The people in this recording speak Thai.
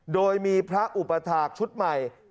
โดยมีพระอุปถาคชุดใหม่